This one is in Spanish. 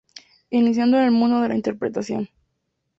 Iniciado en el mundo de la interpretación.